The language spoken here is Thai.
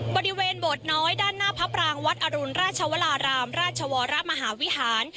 บริเวณโบสถ์น้อยด้านหน้าพระปรางวัดอรุณราชวรารามราชวรมหาวิหาร